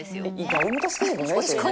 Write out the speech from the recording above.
誰も助けてくれないですよね？